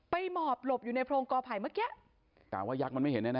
ไปหมอบหลบอยู่ในโพรงกอไผ่เมื่อกี๊